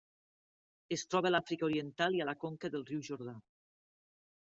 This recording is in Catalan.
Es troba a l'Àfrica Oriental i a la conca del riu Jordà.